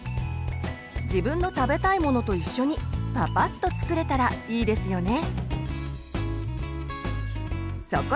自分の食べたいものと一緒にパパッと作れたらいいですよね。